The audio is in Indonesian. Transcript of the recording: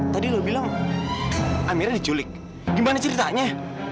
tadi lu bilang amira diculik gimana ceritanya